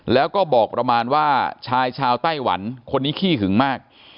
แล้วก็บอกประมาณว่าชายชาวไต้หวันคนนี้ขี้หึงมาก